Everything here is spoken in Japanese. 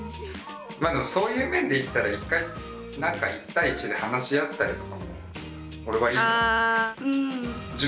まあでもそういう面でいったら１回１対１で話し合ったりとかも俺はいいと思いますね。